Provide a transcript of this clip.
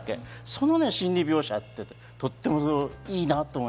その心理描写がとてもいいなと思